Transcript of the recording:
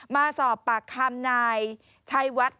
มาสอบปากคำนายชัยวัด